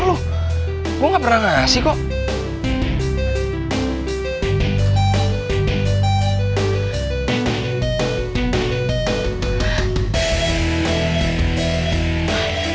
lo gak pernah ngasih kok